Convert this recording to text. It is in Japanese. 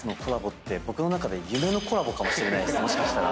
もしかしたら。